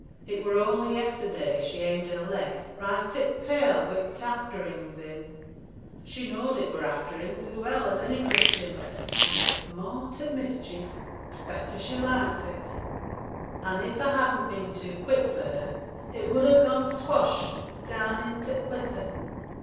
It were only yesterday as she aimed her leg right at t' pail wi' t' afterings in. She knowed it were afterings as well as any Christian, and t' more t' mischief t' better she likes it; an' if a hadn't been too quick for her, it would have a' gone swash down i' t' litter.